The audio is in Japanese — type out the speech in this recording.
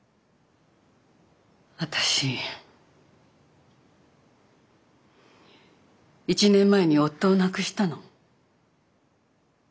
私１年前に夫を亡くしたの。